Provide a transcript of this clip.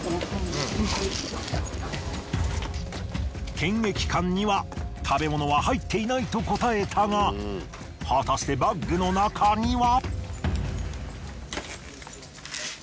検疫官には食べ物は入っていないと答えたが果たしてバッグの中には。